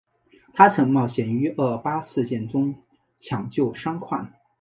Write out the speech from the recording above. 她曾冒险于二二八事件中抢救伤患。